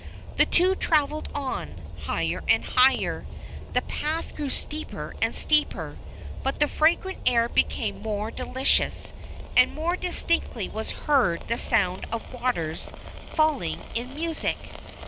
The two travelled on, higher and higher. The path grew steeper and steeper, but the fragrant air became more delicious, and more distinctly was heard the sound of waters falling in music.